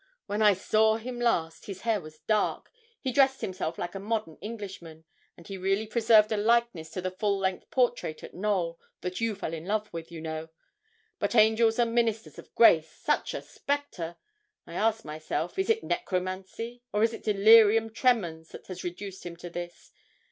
When I saw him last, his hair was dark; he dressed himself like a modern Englishman; and he really preserved a likeness to the full length portrait at Knowl, that you fell in love with, you know; but, angels and ministers of grace! such a spectre! I asked myself, is it necromancy, or is it delirium tremens that has reduced him to this?